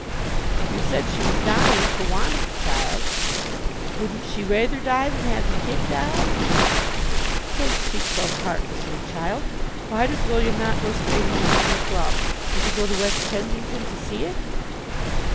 "You said she was dying for want of the child?" "Wouldn't she rayther die than have the kid die?" "Don't speak so heartlessly, child. Why does William not go straight home from the club? Does he go to West Kensington to see it?"